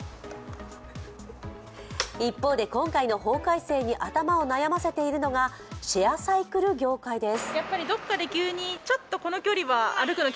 一方で今回の法改正に頭を悩ませているのがシェアサイクル業界です。